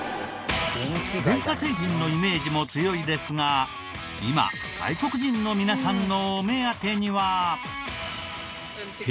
電化製品のイメージも強いですが今外国人の皆さんのお目当てには。